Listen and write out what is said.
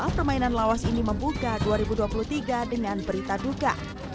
permainan lawas ini membuka dua ribu dua puluh tiga dengan berita duka